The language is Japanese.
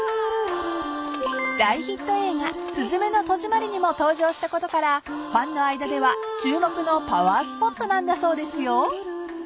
［大ヒット映画『すずめの戸締まり』にも登場したことからファンの間では注目のパワースポットなんだそうですよ］